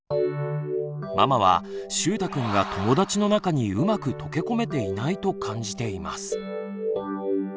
ママはしゅうたくんが友だちの中にうまく溶け込めていないと感じています。